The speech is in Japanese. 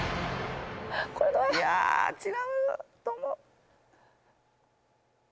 いや違うと思う。